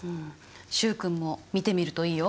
習君も見てみるといいよ。